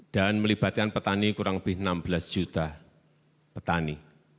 dan melibatkan petani kurang lebih enam belas juta petani